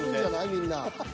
みんな。